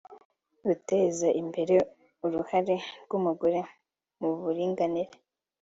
’’ Guteza imbere uruhare rw’umugore mu buringanire’’